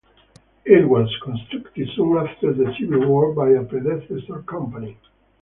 It was constructed soon after the Civil War by a predecessor company.